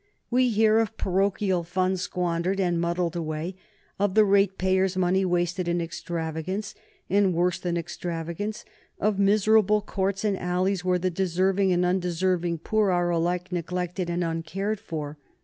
We hear of parochial funds squandered and muddled away; of the ratepayers' money wasted in extravagance, and worse than extravagance; of miserable courts and alleys where the deserving and undeserving poor are alike neglected and uncared for.